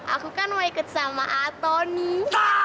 aku kan mau ikut sama ato nih